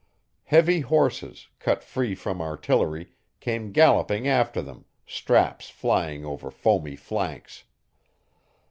Heavy horses, cut free from artillery, came galloping after them, straps flying over foamy flanks.